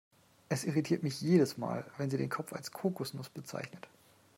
Es irritiert mich jedes Mal, wenn sie den Kopf als Kokosnuss bezeichnet.